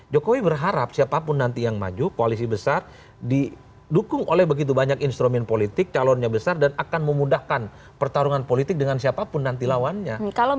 jokowi berharap siapapun nanti yang maju koalisi besar didukung oleh begitu banyak instrumen politik calonnya besar dan akan memudahkan pertarungan politik dengan siapapun nanti lawannya